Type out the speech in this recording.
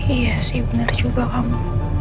iya sih benar juga kamu